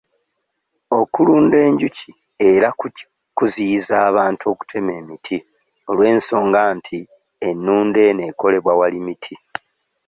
Okulunda enjuki era kuziyiza abantu okutema emiti olw'ensonga nti ennunda eno ekolebwa wali miti.